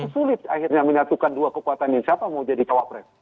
sulit akhirnya menyatukan dua kekuatan ini siapa mau jadi cawapres